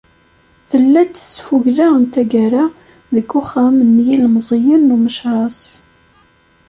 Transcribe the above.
Tella-d tesfugla n taggara, deg uxxam n yilemẓiyen n Umecras.